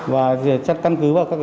và chất căn cứ vào các cái